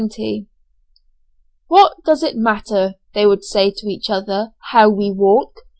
"What does it matter," they would say to each other, "how we walk?